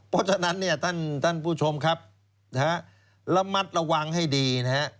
เพราะฉะนั้นเนี่ยท่านผู้ชมครับนะฮะระมัดระวังให้ดีนะฮะ